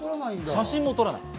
写真も撮らないんです。